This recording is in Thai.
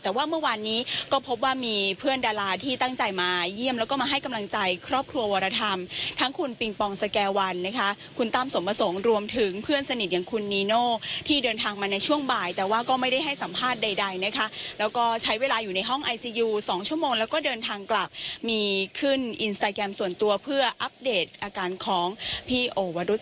แต่ว่าเมื่อวานนี้ก็พบว่ามีเพื่อนดาราที่ตั้งใจมาเยี่ยมแล้วก็มาให้กำลังใจครอบครัววรธรรมทั้งคุณปิงปองสแก่วันนะคะคุณตั้มสมประสงค์รวมถึงเพื่อนสนิทอย่างคุณนีโน่ที่เดินทางมาในช่วงบ่ายแต่ว่าก็ไม่ได้ให้สัมภาษณ์ใดนะคะแล้วก็ใช้เวลาอยู่ในห้องไอซียูสองชั่วโมงแล้วก็เดินทางกลับมีขึ้นอินสตาแกรมส่วนตัวเพื่ออัปเดตอาการของพี่โอวรุษ